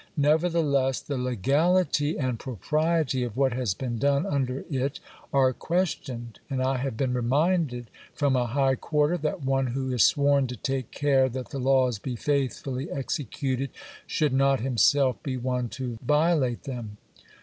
Nevertheless, the legahty and propriety of what has been done under it are ques tioned ; and I have been reminded from a high quarter that one who is sworn to ^'take care that the laws be faithfully executed " should not himself be one to violate them.